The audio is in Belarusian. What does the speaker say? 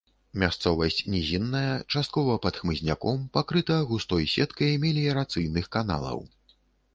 Мясцовасць нізінная, часткова пад хмызняком, пакрыта густой сеткай меліярацыйных каналаў.